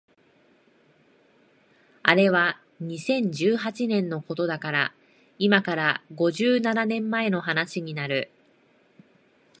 あれは二千十八年のことだから今から五十七年前の話になる